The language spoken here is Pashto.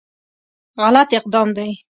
غلط اقدام دی.